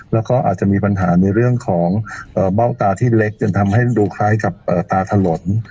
แล้วก็อาจจะมีปัญหาในเรื่องของเบ้าตาที่เล็กจนทำให้ดูคล้ายกับตาถล่น